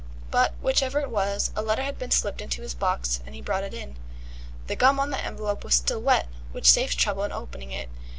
But, whichever it was, a letter had been slipped into his box, and he brought it in. The gum on the envelope was still wet, which saved trouble in opening it.